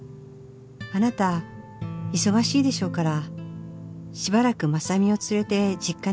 あなた忙しいでしょうからしばらく真実を連れて実家に帰ります」